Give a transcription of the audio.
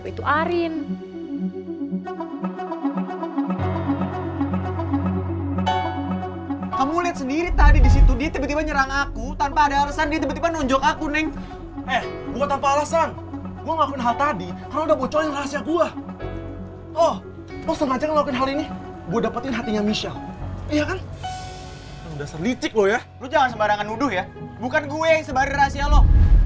bukan gue yang sembari rahasia lo